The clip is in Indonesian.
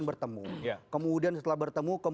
mereka kan bertemu